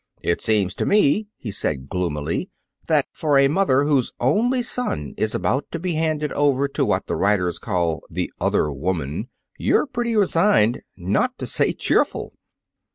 "It seems to me," he said gloomily, "that for a mother whose only son is about to be handed over to what the writers call the other woman, you're pretty resigned, not to say cheerful."